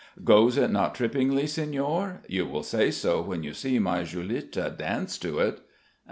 _ Goes it not trippingly, Signore? You will say so when you see my Julitta dance to it."